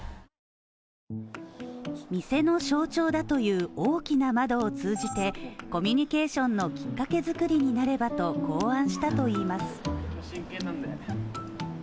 店の象徴だという大きな窓を通じてコミュニケーションのきっかけ作りになればと考案したといいます。